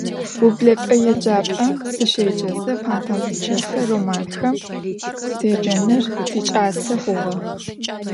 Vublep'e yêcap'em sışêceze fantastiçêske romanxem syacenır siç'ase xhuğe.